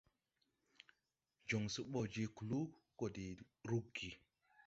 Jon se bɔ jɛ kluu gɔ de ruggi.